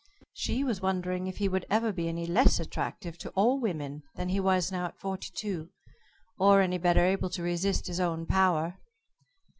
She was wondering if he would ever be any less attractive to all women than he was now at forty two or any better able to resist his own power.